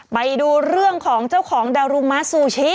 ไปดูเรื่องของเจ้าของดารุมาซูชิ